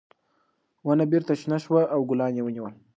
ونه بېرته شنه شوه او ګلان یې ونیول.